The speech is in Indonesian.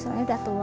soalnya udah tua